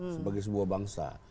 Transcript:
sebagai sebuah bangsa